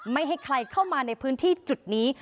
ไม่ให้ใครเข้ามาในพื้นที่จุดนี้